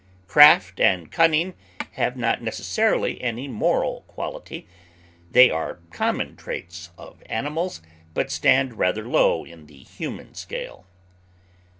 Craft and cunning have not necessarily any moral quality; they are common traits of animals, but stand rather low in the human scale.